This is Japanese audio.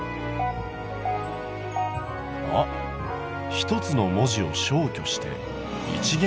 「ひとつの文字を消去して一元